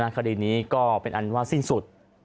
คดีนี้ก็เป็นอันว่าสิ้นสุด